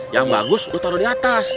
yang bagus lu taruh di atas